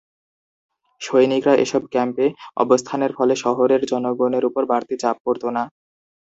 সৈনিকরা এসব ক্যাম্পে অবস্থানের ফলে শহরের জনগণের উপর বাড়তি চাপ পড়ত না।